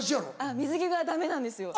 水着がダメなんですよ。